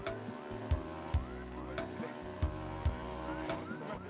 cantik banget bang jamil